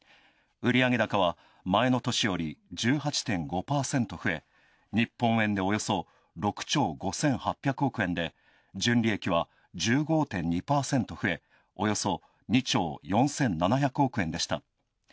売上高は前の年より１８．５％増え日本円でおよそ６兆５８００億円で純利益は１５．２％増え、およそ２兆４７００億円でした。